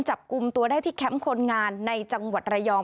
จับกลุ่มตัวได้ที่แคมป์คนงานในจังหวัดระยอง